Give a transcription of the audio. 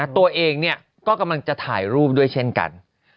ตัวเองก็กำลังจะถ่ายรูปด้วยเช่นกัน